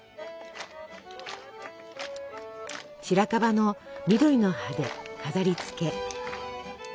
白樺の緑の葉で飾りつけ。